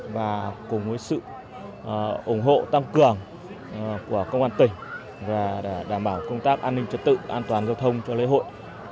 và cùng với sự ủng hộ tăng cường của công an tỉnh và để đảm bảo công tác an ninh trật tự an toàn giao thông cho lễ hội